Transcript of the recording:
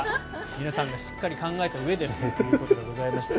皆さんがしっかり考えたうえでのということでございました。